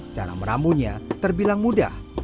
cara meramunya terbilang mudah